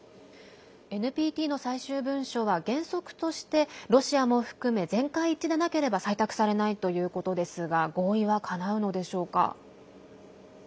ＮＰＴの最終文書は原則としてロシアも含め全会一致でなければ採択されないということですが合意はかなうのでしょうか。